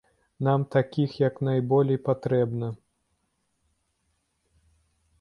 Нам такіх як найболей патрэбна.